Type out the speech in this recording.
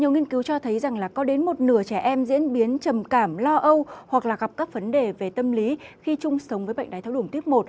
nhiều nghiên cứu cho thấy rằng là có đến một nửa trẻ em diễn biến trầm cảm lo âu hoặc là gặp các vấn đề về tâm lý khi chung sống với bệnh đái tháo đường tuyếp một